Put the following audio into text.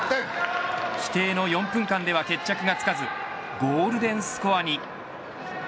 規定の４分間では決着がつかずゴールデンスコアに。